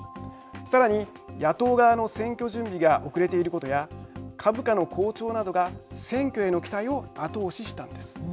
さらに野党側の選挙準備が遅れていることや株価の好調などが選挙への期待を後押ししたんです。